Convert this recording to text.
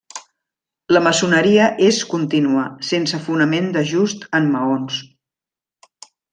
La maçoneria és contínua sense fonament d'ajust en maons.